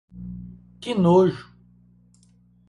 Que nojo...